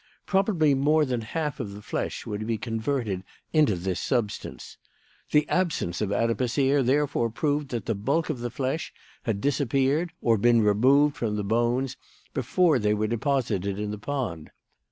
Probably more than half of the flesh would be converted into this substance. The absence of adipocere therefore proved that the bulk of the flesh had disappeared or been removed from the bones before they were deposited in the pond.